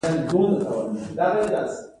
د تولید درېدل او توقف هم یوه نښه ده